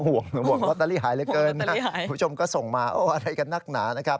ห่วงลอตเตอรี่หายเหลือเกินนะคุณผู้ชมก็ส่งมาโอ้อะไรกันนักหนานะครับ